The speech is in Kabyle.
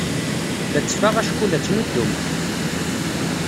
La ttfaɣ acku la ttnuddumeɣ.